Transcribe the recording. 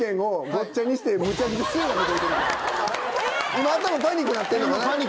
今んとこパニックになってんのね？